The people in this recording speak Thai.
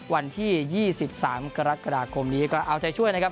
วันที่๒๓กรกฎาคมนี้ก็เอาใจช่วยนะครับ